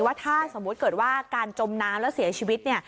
ว่าถ้าสมมุติเกิดว่าการจมน้ำแล้วเสียชีวิต